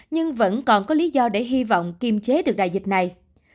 nhưng vẫn còn có lý do để hy vọng kiềm chế được đại dịch này